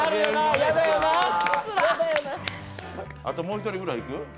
あともう一人ぐらいいく？